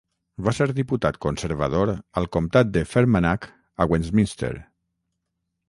Va ser diputat conservador al comtat de Fermanagh a Westminster.